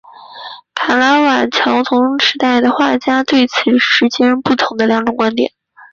卡拉瓦乔同时代的画家对此持截然不同的两种观点。